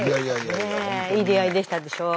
ねえいい出会いでしたでしょう？